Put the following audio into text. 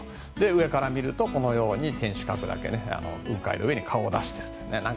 上から見ると天守閣だけ雲海の上に顔を出していると。